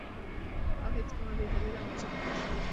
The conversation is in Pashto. او هيڅ کومه بي دليله موضوع په کي نسته،